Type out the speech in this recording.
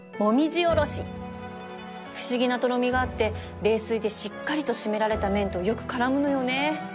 不思議なとろみがあって冷水でしっかりと締められた麺とよく絡むのよね